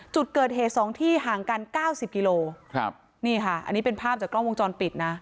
จุดเกิดเหตุสองที่ห่างกันเก้าสิบกิโลครับนี่ค่ะอันนี้เป็นภาพจากกล้องวงจรปิดนะ